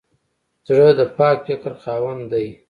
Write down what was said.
زړه د پاک فکر خاوند دی.